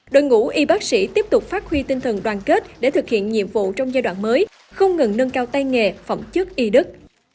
đội ngũ y bác sĩ tiếp tục phát huy tinh thần đoàn kết để thực hiện nhiệm vụ trong giai đoạn mới không ngừng nâng cao tay nghề phẩm chức y đức